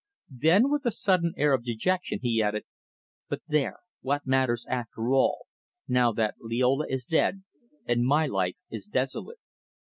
Then, with a sudden air of dejection, he added: "But there, what matters after all, now that Liola is dead and my life is desolate?